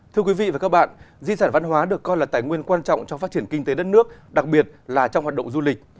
thưa quý vị và các bạn di sản văn hóa được coi là tài nguyên quan trọng trong phát triển kinh tế đất nước đặc biệt là trong hoạt động du lịch